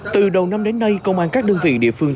từ đầu năm đến nay công an các đơn vị địa phương